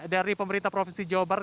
dari pemerintah provinsi jawa barat